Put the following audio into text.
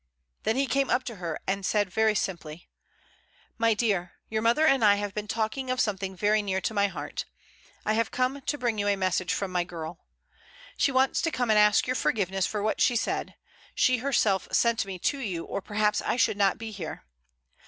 Then he came up to her and said very simply, "My dear, your mother and I have been AFTERWARDS. 123 talking of something very near my heart. I have come to bring you a message from my girl. She wants to come and ask your forgiveness for what she said, she herself sent me to you, or perhaps I should not be here.